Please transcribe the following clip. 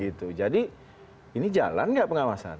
gitu jadi ini jalan gak pengawasan